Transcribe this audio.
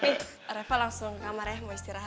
bi reva langsung ke kamarnya mau istirahat